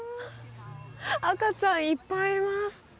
赤ちゃんいっぱいいます